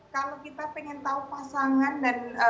kalau kita pengen tahu pasangan dan